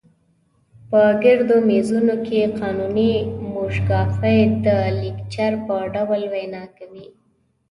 په ګردو میزونو کې قانوني موشګافۍ د لیکچر په ډول وینا کوي.